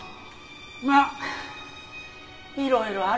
まあいろいろあるんだよ